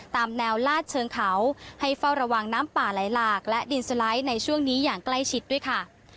ตามแนวลาดเชิงเขาให้เฝ้าระวังน้ำป่าไหลหลากและดินสไลด์ในช่วงนี้อย่างใกล้ชิดด้วยค่ะ